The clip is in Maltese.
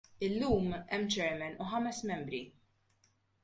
Illum hemm Chairman u ħames membri.